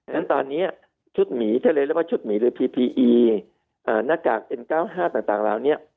ฉะนั้นตอนนี้ชุดหมีทะเลเรียกว่าชุดหมีหรือพีพีอีหน้ากากเอ็นเก้าห้าต่างเหล่านี้